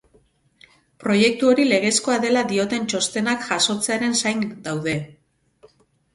Proiektu hori legezkoa dela dioten txostenak jasotzearen zain daude.